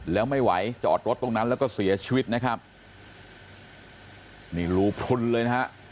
แล้วไม่ไหวจอดรถตรงนั้นแล้วก็เสียชีวิตนะครับนี่รูพลุนเลยนะฮะ